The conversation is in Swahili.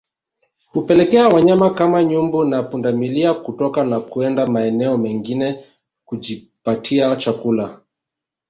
Hupelekea wanyama kama nyumbu na pundamilia kutoka na kuenda maeneo mengine kujipatia chakula